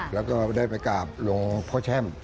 แล้วก็ได้ไปกราบหลวงพ่อแช่ม